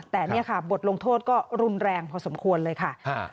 แต่เนี่ยค่ะบทลงโทษก็รุนแรงพอสมควรเลยค่ะ